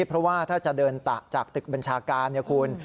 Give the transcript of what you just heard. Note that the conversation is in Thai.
เพราะว่าถ้าจะเดินตะจากตึกบัญชาการเนี่ยคุณ